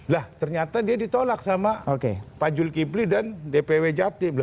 lah ternyata dia ditolak sama pak julkipli dan dpw jatim